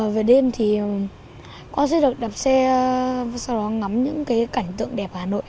về đêm thì con sẽ được đạp xe sau đó ngắm những cảnh tượng đẹp hà nội